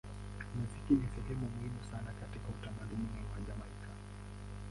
Muziki ni sehemu muhimu sana katika utamaduni wa Jamaika.